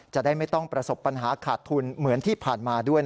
จะได้ไม่ต้องประสบปัญหาขาดทุนเหมือนที่ผ่านมาด้วย